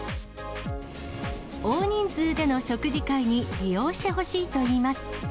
大人数での食事会に利用してほしいといいます。